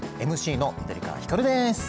ＭＣの緑川光です。